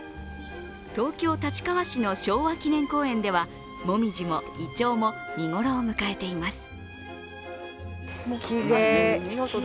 東京・立川市の昭和記念公園では紅葉もいちょうも見頃を迎えています。